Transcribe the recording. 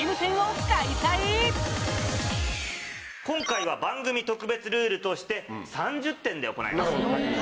今回は番組特別ルールとして３０点で行います。